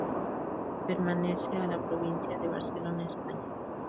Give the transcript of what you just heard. Pertenece a la provincia de Barcelona, España.